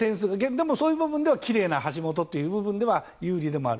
でもそういう部分では奇麗な橋本というところでは有利ではある。